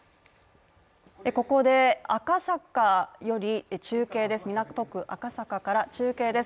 ここで赤坂より中継です。